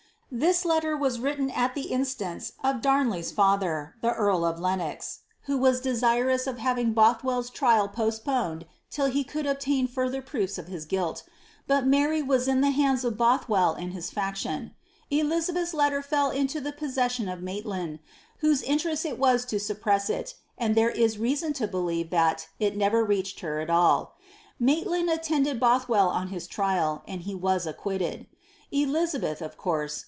"' This letter was written at the instance of Darnley's &iher. the earl of Lenox, who was desirous of having Bothwoirs trial postponed till he could obtain further proofs of his guilt, but Mary was 10 the hands of Bothwell and his faction. Elizabeth^s letter fell into 'he po:<session of Maiiland, whose interest it was to suppress it, and 'iiere is rt*ason to believe that it never reached her at all. Maitland at '«nJet] Bothwell on his trial, and he was acquitted.' Elizabeth, of C'.'urse.